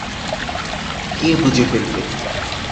কে বুঝে ফেলবে?